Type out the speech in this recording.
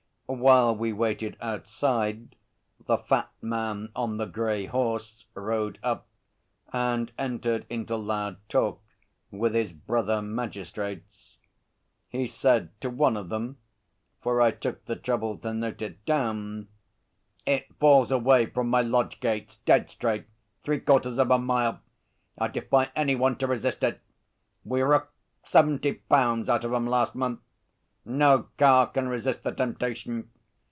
While we waited outside, the fat man on the grey horse rode up and entered into loud talk with his brother magistrates. He said to one of them for I took the trouble to note it down 'It falls away from my lodge gates, dead straight, three quarters of a mile. I'd defy any one to resist it. We rooked seventy pounds out of 'em last month. No car can resist the temptation.